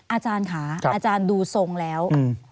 อาจารย์ค่ะอาจารย์ดูทรงแล้ว